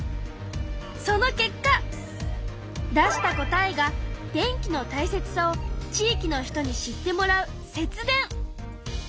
その結果出した答えが電気のたいせつさを「地域の人に知ってもらう節電」。